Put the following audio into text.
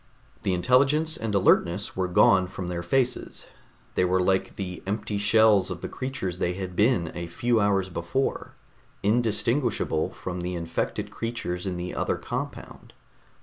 The intelligence and alertness were gone from their faces; they were like the empty shells of the creatures they had been a few hours before, indistinguishable from the infected creatures in the other compound.